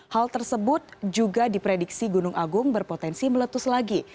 hal tersebut juga diprediksi gunung agung berpotensi meletus lagi